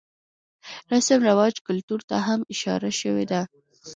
رسم رواج ،کلتور ته هم اشاره شوې ده.